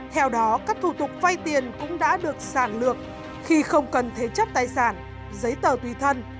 theo đó các thủ tục vay tiền cũng đã được sản lượng khi không cần thế chấp tài sản giấy tờ tùy thân